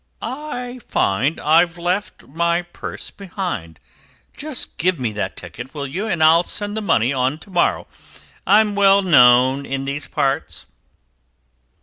I find I've left my purse behind. Just give me that ticket, will you, and I'll send the money on to morrow? I'm well known in these parts."